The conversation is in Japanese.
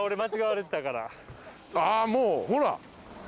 あもうほら。